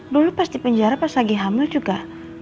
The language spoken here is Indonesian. dulu pas di penjara pas lagi hamil juga